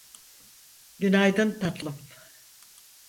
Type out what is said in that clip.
Günaydın tatlım.